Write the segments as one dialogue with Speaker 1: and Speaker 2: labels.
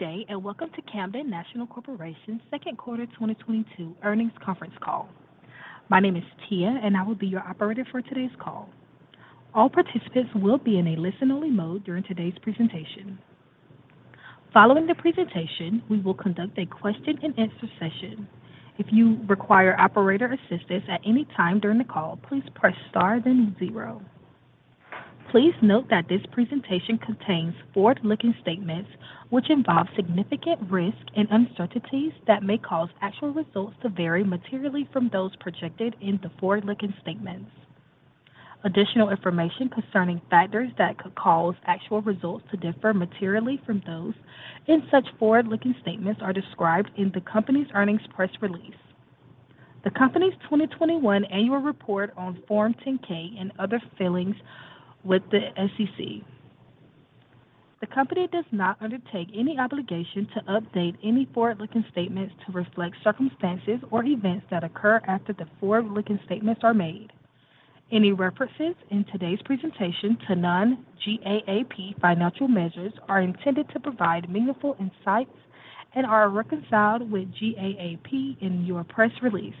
Speaker 1: Good day, and welcome to Camden National Corporation's second quarter 2022 earnings conference call. My name is Tia, and I will be your operator for today's call. All participants will be in a listen-only mode during today's presentation. Following the presentation, we will conduct a question-and-answer session. If you require operator assistance at any time during the call, please press star then zero. Please note that this presentation contains forward-looking statements which involve significant risk and uncertainties that may cause actual results to vary materially from those projected in the forward-looking statements. Additional information concerning factors that could cause actual results to differ materially from those in such forward-looking statements are described in the company's earnings press release, the company's 2021 annual report on Form 10-K and other filings with the SEC. The company does not undertake any obligation to update any forward-looking statements to reflect circumstances or events that occur after the forward-looking statements are made. Any references in today's presentation to non-GAAP financial measures are intended to provide meaningful insights and are reconciled with GAAP in your press release.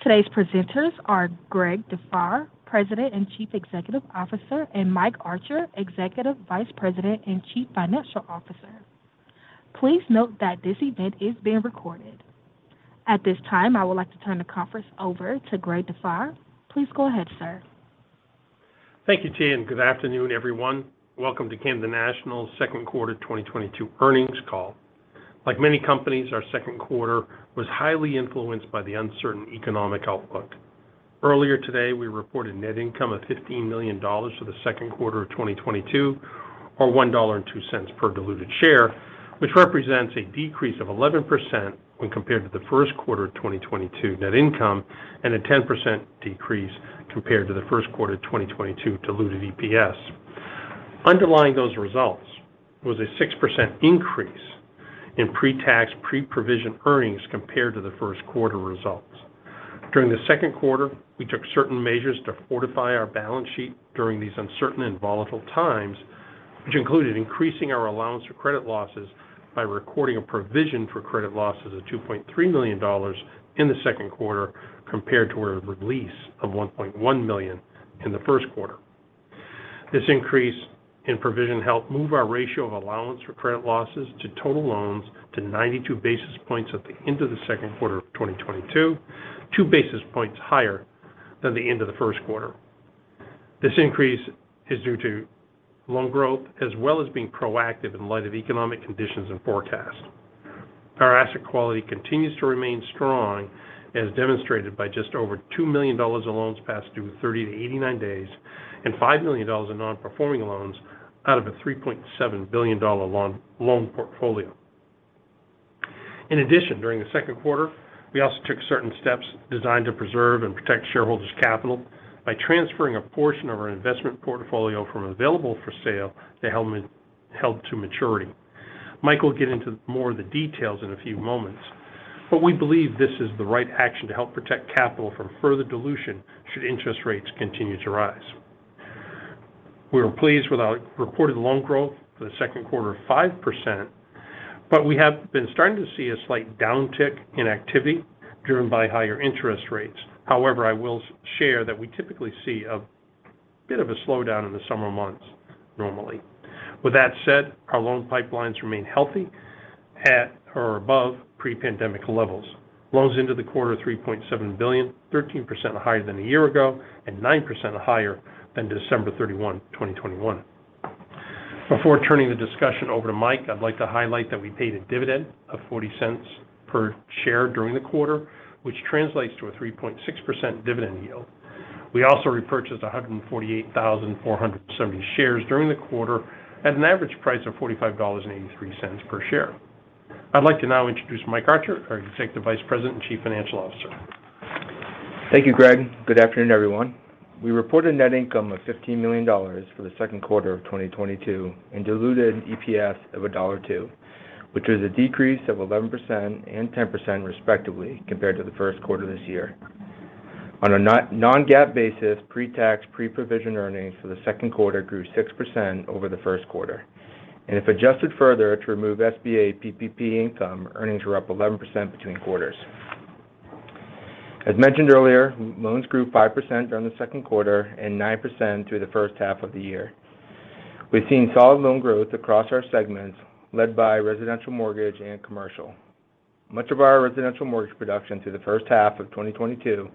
Speaker 1: Today's presenters are Gregory Dufour, President and Chief Executive Officer, and Michael Archer, Executive Vice President and Chief Financial Officer. Please note that this event is being recorded. At this time, I would like to turn the conference over to Gregory Dufour. Please go ahead, sir.
Speaker 2: Thank you, Tia, and good afternoon, everyone. Welcome to Camden National's Q2 2022 earnings call. Like many companies, our Q2 was highly influenced by the uncertain economic outlook. Earlier today, we reported net income of $15 million for the second quarter of 2022, or $1.02 per diluted share, which represents a decrease of 11% when compared to the first quarter of 2022 net income and a 10% decrease compared to the first quarter of 2022 diluted EPS. Underlying those results was a 6% increase in pre-tax pre-provision earnings compared to the Q1 results. During the Q2, we took certain measures to fortify our balance sheet during these uncertain and volatile times, which included increasing our allowance for credit losses by recording a provision for credit losses of $2.3 million in the Q2 compared to a release of $1.1 million in the Q1. This increase in provision helped move our ratio of allowance for credit losses to total loans to 92 basis points at the end of the Q2 of 2022, 2 basis points higher than the end of the Q1. This increase is due to loan growth as well as being proactive in light of economic conditions and forecasts. Our asset quality continues to remain strong as demonstrated by just over $2 million of loans past due 30-89 days and $5 million in non-performing loans out of a $3.7 billion loan portfolio. In addition, during the Q2, we also took certain steps designed to preserve and protect shareholders' capital by transferring a portion of our investment portfolio from available-for-sale to held to maturity. Mike will get into more of the details in a few moments, but we believe this is the right action to help protect capital from further dilution should interest rates continue to rise. We were pleased with our reported loan growth for the Q2 of 5%, but we have been starting to see a slight downtick in activity driven by higher interest rates. However, I will share that we typically see a bit of a slowdown in the summer months normally. With that said, our loan pipelines remain healthy at or above pre-pandemic levels. Loans into the quarter $3.7 billion, 13% higher than a year ago and 9% higher than December 31, 2021. Before turning the discussion over to Mike, I'd like to highlight that we paid a dividend of $0.40 per share during the quarter, which translates to a 3.6% dividend yield. We also repurchased 148,470 shares during the quarter at an average price of $45.83 per share. I'd like to now introduce Michael Archer, our Executive Vice President and Chief Financial Officer.
Speaker 3: Thank you, Gregory. Good afternoon, everyone. We reported net income of $15 million for the Q2 of 2022 and diluted EPS of $1.02, which was a decrease of 11% and 10% respectively compared to the Q1 of this year. On a non-GAAP basis, pre-tax, pre-provision earnings for the Q2 grew 6% over the Q1. If adjusted further to remove SBA PPP income, earnings were up 11% between quarters. As mentioned earlier, loans grew 5% during the Q2 and 9% through the first half of the year. We've seen solid loan growth across our segments led by residential mortgage and commercial. Much of our residential mortgage production through the first half of 2022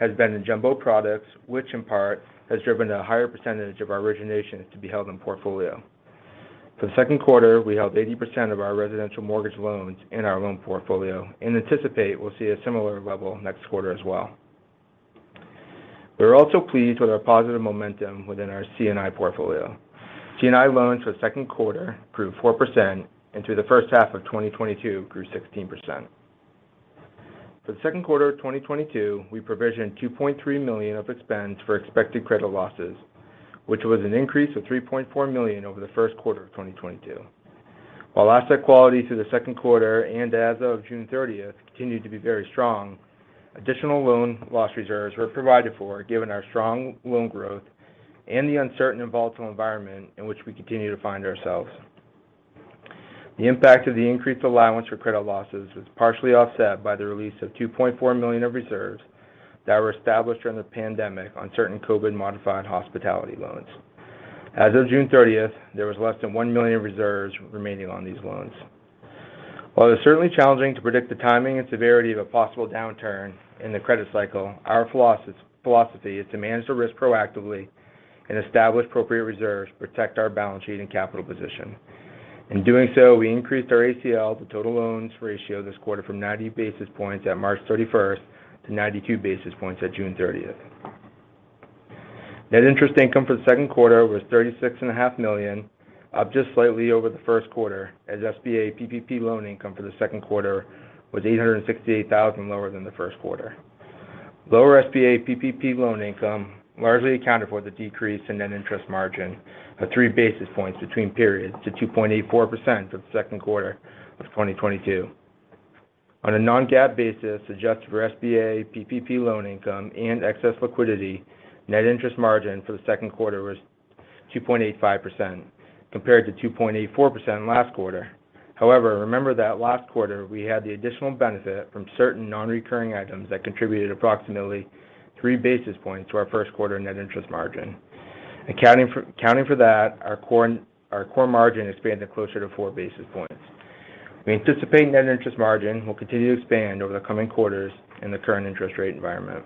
Speaker 3: has been in jumbo products, which in part has driven a higher percentage of our originations to be held in portfolio. For the Q2, we held 80% of our residential mortgage loans in our loan portfolio and anticipate we'll see a similar level next quarter as well. We're also pleased with our positive momentum within our C&I portfolio. C&I loans for the second quarter grew 4% and through the first half of 2022 grew 16%. For the second quarter of 2022, we provisioned $2.3 million of expense for expected credit losses, which was an increase of $3.4 million over the first quarter of 2022. While asset quality through the second quarter and as of June 30th continued to be very strong, additional loan loss reserves were provided, given our strong loan growth and the uncertain and volatile environment in which we continue to find ourselves. The impact of the increased allowance for credit losses was partially offset by the release of $2.4 million of reserves that were established during the pandemic on certain COVID modified hospitality loans. As of June thirtieth, there was less than $1 million reserves remaining on these loans. While it's certainly challenging to predict the timing and severity of a possible downturn in the credit cycle, our philosophy is to manage the risk proactively and establish appropriate reserves to protect our balance sheet and capital position. In doing so, we increased our ACL to total loans ratio this quarter from 90 basis points at March thirty-first to 92 basis points at June thirtieth. Net interest income for the second quarter was $36.5 million, up just slightly over the first quarter, as SBA PPP loan income for the Q2 was $868 thousand lower than the first quarter. Lower SBA PPP loan income largely accounted for the decrease in net interest margin of 3 basis points between periods to 2.84% for the Q2 of 2022. On a non-GAAP basis, adjusted for SBA PPP loan income and excess liquidity, net interest margin for the Q2 was 2.85% compared to 2.84% last quarter. However, remember that last quarter, we had the additional benefit from certain non-recurring items that contributed approximately three basis points to our first quarter net interest margin. Accounting for that, our core margin expanded closer to four basis points. We anticipate net interest margin will continue to expand over the coming quarters in the current interest rate environment.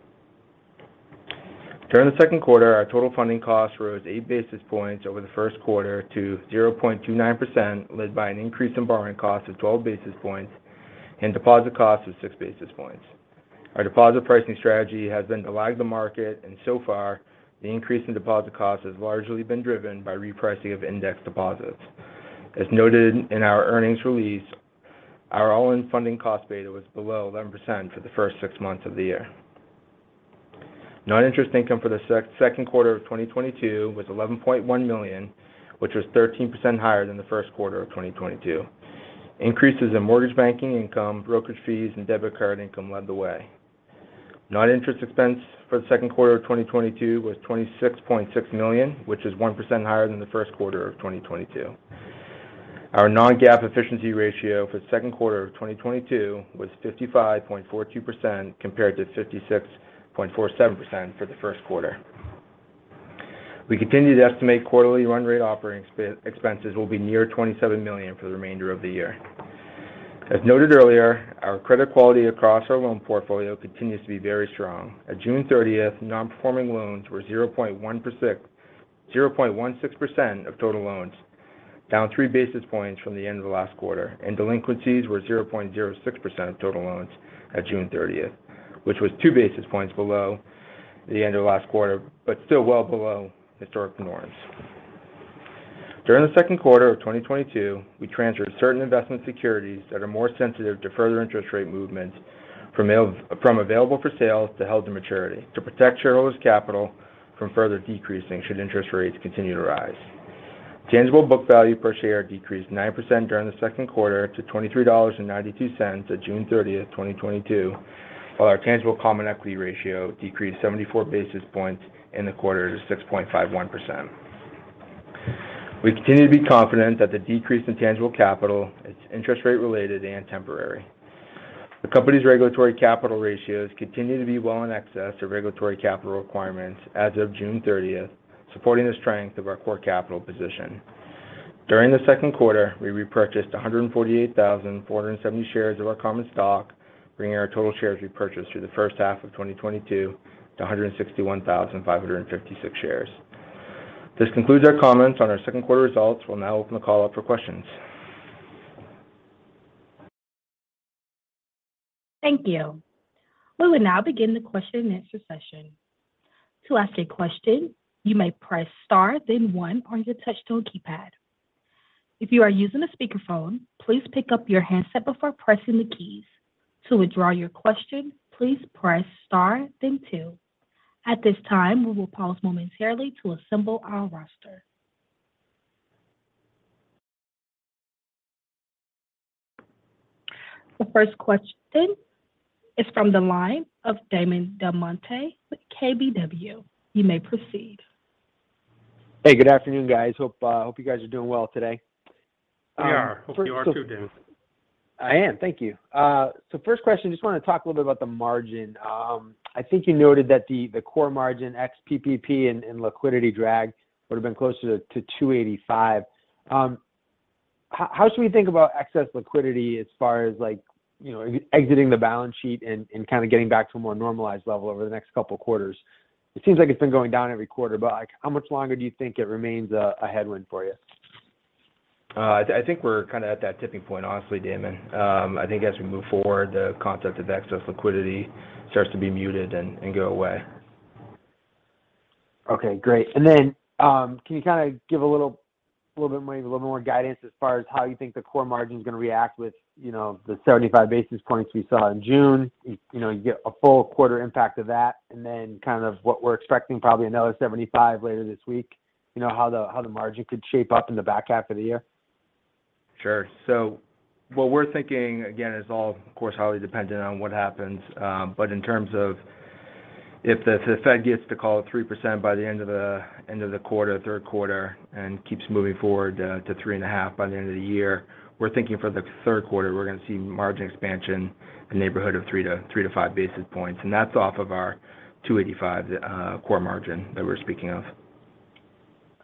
Speaker 3: During the Q2, our total funding cost rose 8 basis points over the first quarter to 0.29%, led by an increase in borrowing costs of 12 basis points and deposit costs of six basis points. Our deposit pricing strategy has been to lag the market, and so far, the increase in deposit costs has largely been driven by repricing of index deposits. As noted in our earnings release, our all-in funding cost beta was below 11% for the first six months of the year. Non-interest income for the Q2 of 2022 was $11.1 million, which was 13% higher than the first quarter of 2022. Increases in mortgage banking income, brokerage fees, and debit card income led the way. Non-interest expense for the Q2 of 2022 was $26.6 million, which is 1% higher than the first quarter of 2022. Our non-GAAP efficiency ratio for the second quarter of 2022 was 55.42% compared to 56.47% for the first quarter. We continue to estimate quarterly run rate operating expenses will be near $27 million for the remainder of the year. Our credit quality across our loan portfolio continues to be very strong. At June 30, non-performing loans were 0.16% of total loans, down three basis points from the end of the last quarter, and delinquencies were 0.06% of total loans at June 30, which was two basis points below the end of last quarter, but still well below historic norms. During the Q2 of 2022, we transferred certain investment securities that are more sensitive to further interest rate movements from available-for-sale to held-to-maturity to protect shareholders' capital from further decreasing should interest rates continue to rise. Tangible book value per share decreased 9% during the Q2 to $23.92 at June 30, 2022, while our tangible common equity ratio decreased 74 basis points in the quarter to 6.51%. We continue to be confident that the decrease in tangible capital is interest rate related and temporary. The company's regulatory capital ratios continue to be well in excess of regulatory capital requirements as of June 13th, supporting the strength of our core capital position. During the Q`2, we repurchased 148,470 shares of our common stock, bringing our total shares repurchased through the first half of 2022 to 161,556 shares. This concludes our comments on our Q2 results. We'll now open the call up for questions.
Speaker 1: Thank you. We will now begin the question and answer session. To ask a question, you may press star then one on your touch tone keypad. If you are using a speakerphone, please pick up your handset before pressing the keys. To withdraw your question, please press star then two. At this time, we will pause momentarily to assemble our roster. The first question is from the line of Damon DelMonte with KBW. You may proceed.
Speaker 4: Hey, good afternoon, guys. Hope you guys are doing well today.
Speaker 3: We are. Hope you are too, Damon.
Speaker 4: I am. Thank you. First question, just wanna talk a little bit about the margin. I think you noted that the core margin ex PPP and liquidity drag would've been closer to 2.85%. How should we think about excess liquidity as far as like, you know, exiting the balance sheet and kinda getting back to a more normalized level over the next couple quarters? It seems like it's been going down every quarter, but like how much longer do you think it remains a headwind for you?
Speaker 3: I think we're kinda at that tipping point, honestly, Damon. I think as we move forward, the concept of excess liquidity starts to be muted and go away.
Speaker 4: Okay, great. Can you kinda give a little bit maybe a little more guidance as far as how you think the core margin's gonna react with, you know, the 75 basis points we saw in June? You know, you get a full quarter impact of that, and then kind of what we're expecting probably another 75 later this week. You know, how the margin could shape up in the back half of the year?
Speaker 3: Sure. What we're thinking, again, is, of course, highly dependent on what happens. In terms of if the Fed gets to call it 3% by the end of the quarter, third quarter, and keeps moving forward to 3.5% by the end of the year, we're thinking for the third quarter, we're going to see margin expansion in the neighborhood of 3-5 basis points. That's off of our 285 core margin that we're speaking of.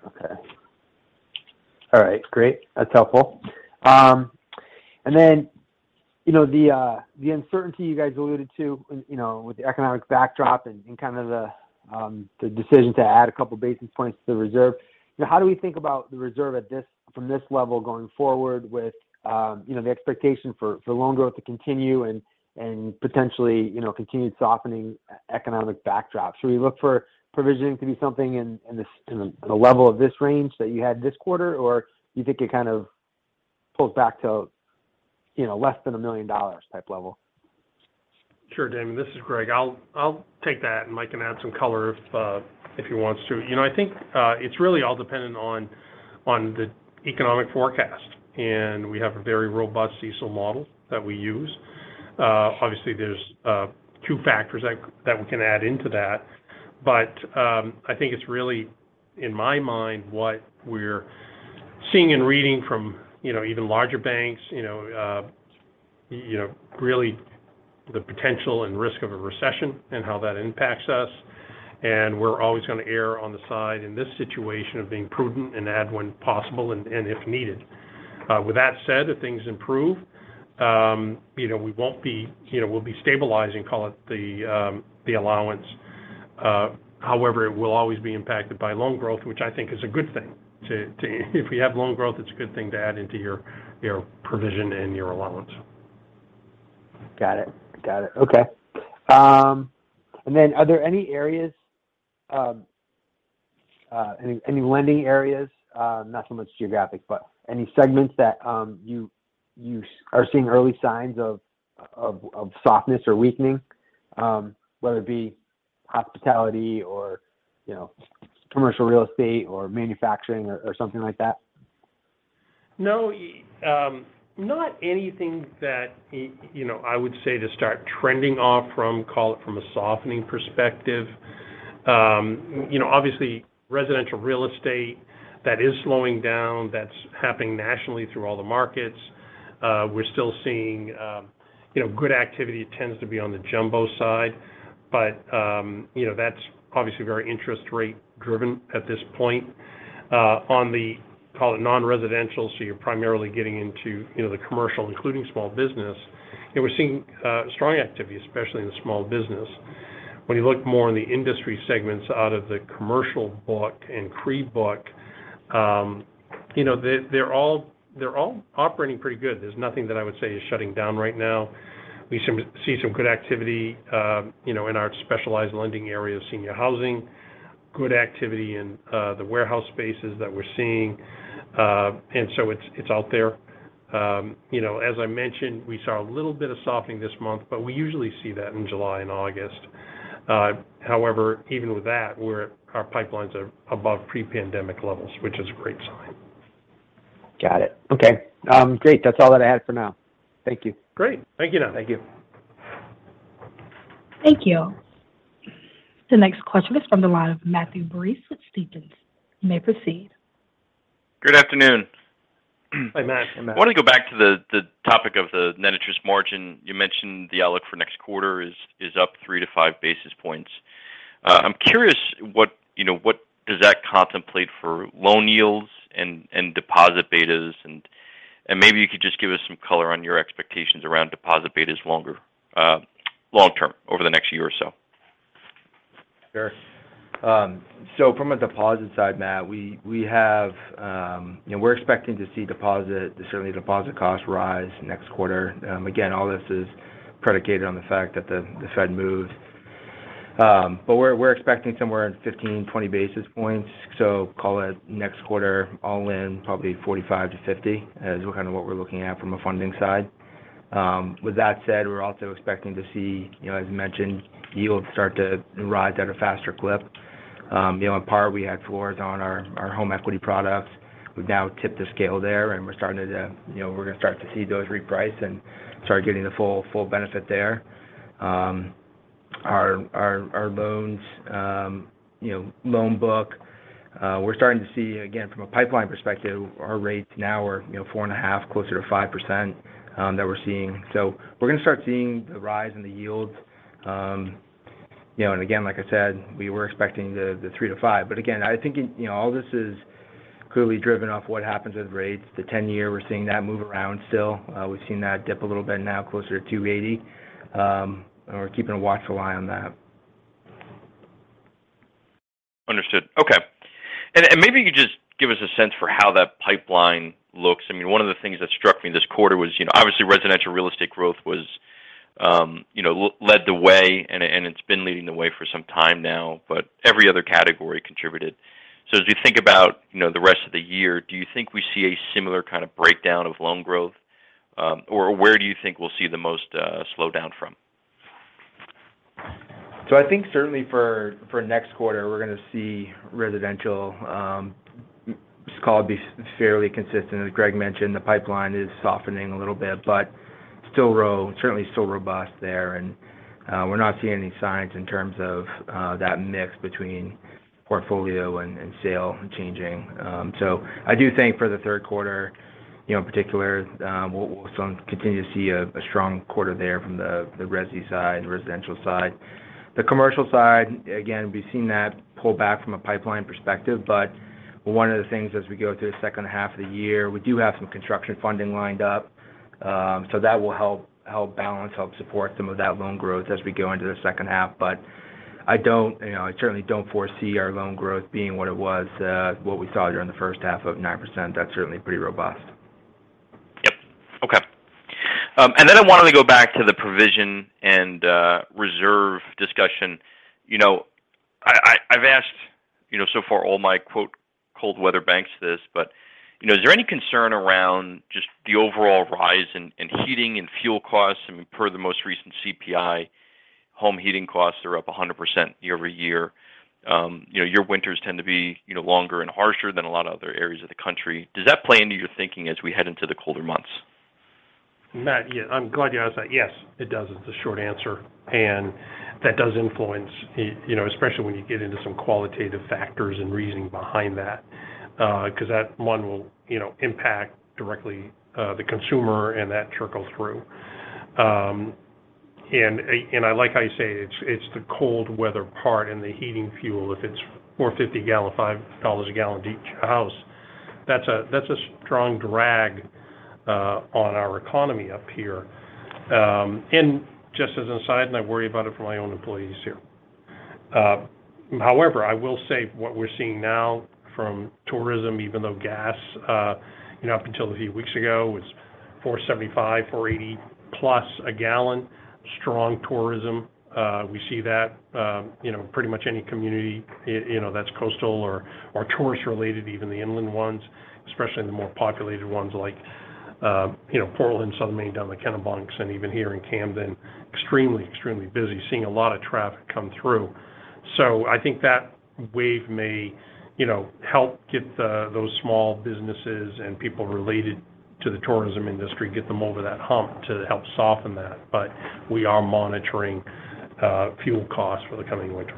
Speaker 4: Okay. All right. Great. That's helpful. You know, the uncertainty you guys alluded to, you know, with the economic backdrop and kind of the decision to add a couple basis points to the reserve. You know, how do we think about the reserve from this level going forward with, you know, the expectation for loan growth to continue and potentially, you know, continued softening economic backdrop? Should we look for provisioning to be something in a level of this range that you had this quarter? Or you think it kind of pulls back to, you know, less than $1 million type level?
Speaker 2: Sure, Damon DelMonte. This is Gregory Dufour. I'll take that, and Michael Archer can add some color if he wants to. You know, I think it's really all dependent on the economic forecast. We have a very robust CECL model that we use. Obviously, there's two factors that we can add into that. I think it's really, in my mind, what we're seeing and reading from, you know, even larger banks, you know, really the potential and risk of a recession and how that impacts us. We're always going to err on the side in this situation of being prudent and add when possible and if needed. With that said, if things improve, you know, we won't be, you know, we'll be stabilizing, call it the allowance. However, it will always be impacted by loan growth, which I think is a good thing. If we have loan growth, it's a good thing to add into your provision and your allowance.
Speaker 4: Got it. Okay. Are there any areas, any lending areas, not so much geographic, but any segments that you are seeing early signs of softness or weakening, whether it be hospitality or, you know, commercial real estate or manufacturing or something like that?
Speaker 2: No, not anything that, you know, I would say to start trending off from, call it from a softening perspective. You know, obviously, residential real estate, that is slowing down. That's happening nationally through all the markets. We're still seeing, you know, good activity tends to be on the jumbo side. You know, that's obviously very interest rate-driven at this point. On the, call it non-residential, so you're primarily getting into, you know, the commercial, including small business. You know, we're seeing, strong activity, especially in the small business. When you look more in the industry segments out of the commercial book and CRE book, you know, they're all operating pretty good. There's nothing that I would say is shutting down right now. We see some good activity in our specialized lending area of senior housing. Good activity in the warehouse spaces that we're seeing. It's out there. As I mentioned, we saw a little bit of softening this month, but we usually see that in July and August. However, even with that, our pipelines are above pre-pandemic levels, which is a great sign.
Speaker 4: Got it. Okay. Great. That's all that I had for now. Thank you.
Speaker 2: Great. Thank you.
Speaker 3: Thank you.
Speaker 1: Thank you. The next question is from the line of Matthew Breese with Stephens. You may proceed.
Speaker 5: Good afternoon.
Speaker 2: Hi, Matthew.
Speaker 5: I want to go back to the topic of the net interest margin. You mentioned the outlook for next quarter is up 3-5 basis points. I'm curious what, you know, what does that contemplate for loan yields and deposit betas? Maybe you could just give us some color on your expectations around deposit betas long term over the next year or so. Sure. From a deposit side, Matt, we have, you know, we're expecting to see deposit costs rise next quarter. Again, all this is predicated on the fact that the Fed moved. But we're expecting somewhere in 15-20 basis points. Call it next quarter all in probably 45-50 is kind of what we're looking at from a funding side.
Speaker 3: With that said, we're also expecting to see, you know, as mentioned, yields start to rise at a faster clip. You know, on par, we had floors on our home equity products. We've now tipped the scale there, and we're starting to, you know, we're going to start to see those reprice and start getting the full benefit there. Our loans, you know, loan book, we're starting to see, again from a pipeline perspective, our rates now are, you know, 4.5%, closer to 5%, that we're seeing. We're going to start seeing the rise in the yields. You know, and again, like I said, we were expecting the 3%-5%. Again, I think, you know, all this is clearly driven off what happens with rates. The 10-year, we're seeing that move around still. We've seen that dip a little bit now closer to two point eight zero. We're keeping a watchful eye on that. Understood. Okay. Maybe you could just give us a sense for how that pipeline looks. I mean, one of the things that struck me this quarter was, you know, obviously residential real estate growth was, you know, led the way and it's been leading the way for some time now, but every other category contributed. As you think about, you know, the rest of the year, do you think we see a similar kind of breakdown of loan growth? Or where do you think we'll see the most slowdown from. I think certainly for next quarter, we're gonna see residential, call it fairly consistent. As Greg mentioned, the pipeline is softening a little bit, but still certainly still robust there. We're not seeing any signs in terms of that mix between portfolio and sale changing. I do think for the Q3, you know, in particular, we'll continue to see a strong quarter there from the resi side, residential side. The commercial side, again, we've seen that pull back from a pipeline perspective. One of the things as we go through the second half of the year, we do have some construction funding lined up. That will help balance, help support some of that loan growth as we go into the second half. I don't, you know, I certainly don't foresee our loan growth being what it was, what we saw during the H1 of 9%. That's certainly pretty robust.
Speaker 5: Yep. Okay. And then I wanted to go back to the provision and reserve discussion. You know, I've asked, you know, so far all my quote, "cold weather banks" this, but, you know, is there any concern around just the overall rise in heating and fuel costs? I mean, per the most recent CPI, home heating costs are up 100% YoY. You know, your winters tend to be, you know, longer and harsher than a lot of other areas of the country. Does that play into your thinking as we head into the colder months?
Speaker 2: Matthew, yeah, I'm glad you asked that. Yes, it does is the short answer. That does influence, you know, especially when you get into some qualitative factors and reasoning behind that. 'Cause that one will, you know, impact directly, the consumer and that trickle through. And I like how you say it. It's, it's the cold weather part and the heating fuel. If it's $4.50 a gallon, $5 a gallon to each house, that's a strong drag on our economy up here. And just as an aside, I worry about it for my own employees here. However, I will say what we're seeing now from tourism, even though gas, you know, up until a few weeks ago was $4.75, $4.80 plus a gallon, strong tourism. We see that, you know, pretty much any community, you know, that's coastal or tourist related, even the inland ones, especially in the more populated ones like, you know, Portland, Southern Maine, down the Kennebunks and even here in Camden, extremely busy. Seeing a lot of traffic come through. I think that wave may, you know, help get the those small businesses and people related to the tourism industry, get them over that hump to help soften that. We are monitoring fuel costs for the coming winter.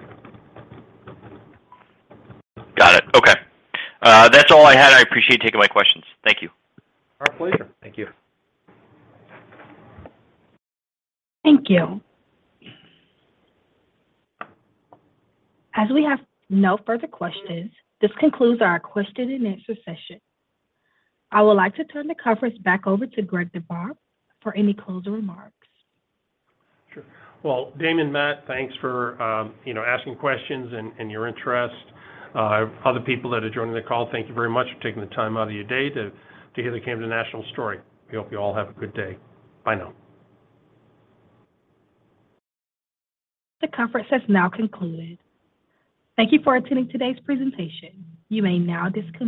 Speaker 5: Got it. Okay. That's all I had. I appreciate you taking my questions. Thank you.
Speaker 2: Our pleasure. Thank you.
Speaker 1: Thank you. As we have no further questions, this concludes our question and answer session. I would like to turn the conference back over to Gregory A. Dufour for any closing remarks.
Speaker 2: Sure. Well, Damon, Matt, thanks for you know, asking questions and your interest. Other people that are joining the call, thank you very much for taking the time out of your day to hear the Camden National story. We hope you all have a good day. Bye now.
Speaker 1: The conference has now concluded. Thank you for attending today's presentation. You may now disconnect.